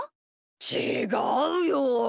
ちがうよ。